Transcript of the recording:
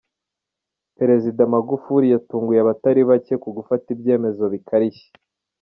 Perezida Magufuli yatunguye abatari bacye ku gufata ibyemezo bikarishye.